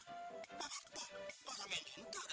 pak pak pak pak samin cinta kan